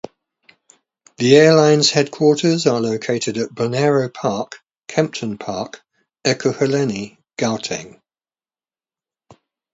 The airline's headquarters are located at Bonaero Park, Kempton Park, Ekurhuleni, Gauteng.